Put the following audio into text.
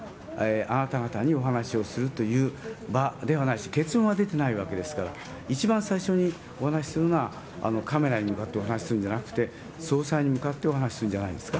それも含めて、含めてですね、今、あなた方にお話をするという場ではないし、結論は出てないわけですから、一番最初にお話するのは、カメラに向かってお話するんじゃなくて、総裁に向かってお話するんじゃないですか。